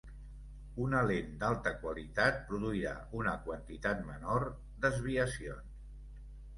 Una lent d'alta qualitat produirà una quantitat menor desviacions.